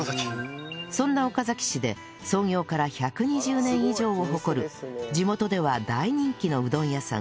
そんな岡崎市で創業から１２０年以上を誇る地元では大人気のうどん屋さん